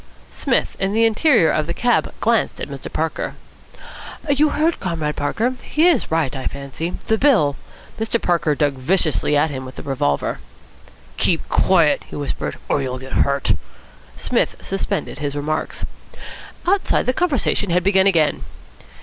Psmith, in the interior of the cab, glanced at Mr. Parker. "You heard, Comrade Parker? He is right, I fancy. The bill " Mr. Parker dug viciously at him with the revolver. "Keep quiet," he whispered, "or you'll get hurt." Psmith suspended his remarks. Outside, the conversation had begun again.